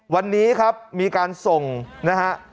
วันนี้ครับมีการส่งนะฮะ